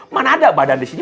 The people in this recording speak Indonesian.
mana ada badan disini